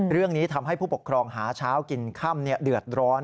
เรื่องนี้ทำให้ผู้ปกครองหาเช้ากินค่ำเดือดร้อน